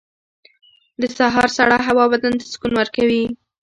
• د سهار سړه هوا بدن ته سکون ورکوي.